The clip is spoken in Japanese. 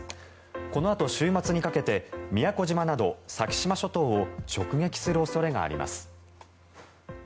このあと週末にかけて宮古島など先島諸島を直撃する恐れがあります。